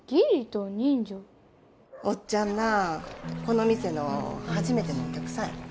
おっちゃんなこの店の初めてのお客さんやねん。